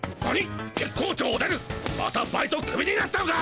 またバイトクビになったのか。